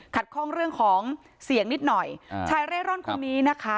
ข้องเรื่องของเสียงนิดหน่อยชายเร่ร่อนคนนี้นะคะ